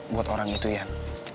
buat orang itu yan